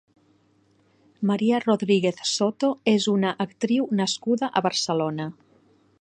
Maria Rodríguez Soto és una actriu nascuda a Barcelona.